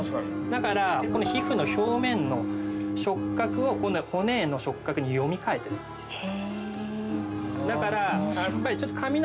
だからこの皮膚の表面の触覚を骨への触覚に読み換えているんです実は。